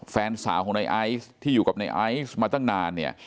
แฟนสาวของในไอซ์ที่อยู่กับในไอซ์มาตั้งนานเนี่ย